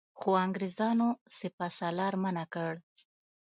خو انګرېزانو سپه سالار منع کړ.